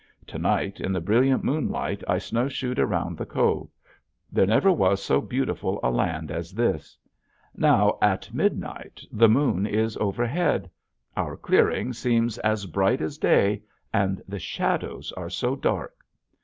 To night in the brilliant moonlight I snowshoed around the cove. There never was so beautiful a land as this! Now at midnight the moon is overhead. Our clearing seems as bright as day, and the shadows are so dark!